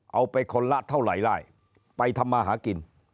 เอาไปคนละเท่าไหร่ไล่ไปทำมาหากิน